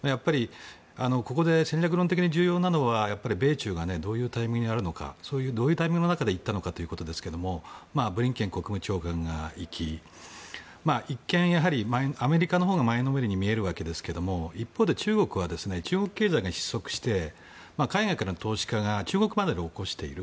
ここで戦略論的に重要なのは米中がどういうタイミングの中で行ったのかということですがブリンケン国務長官が行き一見、アメリカのほうが前のめりに見えますが一方で、中国は中国経済が失速して海外からの投資家が中国バブルを起こしている。